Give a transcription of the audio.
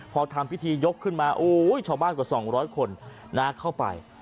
พอทำพิธียกขึ้นมาโอ้ยชาวบ้านกว่า๒๐๐คนเข้าไป